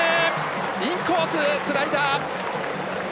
インコースのスライダー。